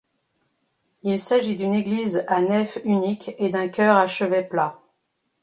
Il s'agit d'une église à nef unique et d'un chœur à chevet plat.